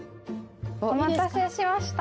お待たせしました。